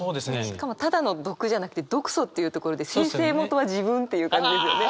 しかもただの毒じゃなくて「毒素」っていうところで生成元は自分っていう感じですよね。